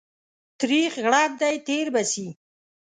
تريخ غړپ دى تير به سي.